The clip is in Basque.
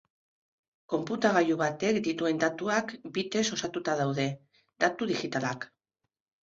Konputagailu batek dituen datuak bit-ez osatuta daude, datu digitalak.